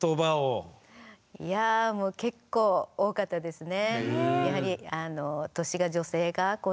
いや結構多かったですね。